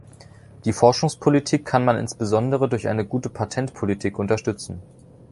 Die Forschungspolitik kann man insbesondere durch eine gute Patentpolitik unterstützen.